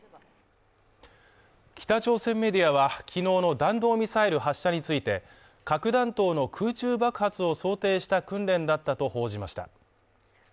北朝鮮メディアは昨日の弾道ミサイル発射について、核弾頭の空中爆発を想定した訓練だったと報じました。